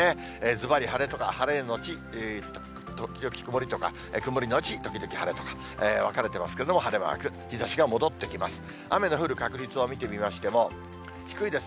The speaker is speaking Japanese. ずばり晴れとか、晴れ後時々曇りとか、曇り後時々晴れとか、分かれてますけど、晴れマーク、日ざしが戻ってきます。